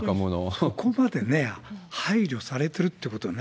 そこまで配慮されてるってことね。